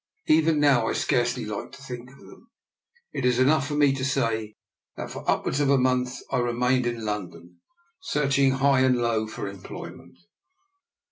Even now I scarcely like to think of them. It is enough for me to say that for upwards of a month I remained in London, searching high and low for employment.